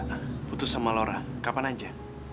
nah putus sama laura kapan aja